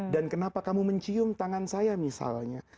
dan kenapa kamu mencium tangan saya misalnya